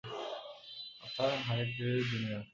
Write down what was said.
Arthur Howitzer junior.